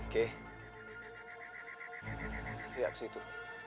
kay lihat ke situ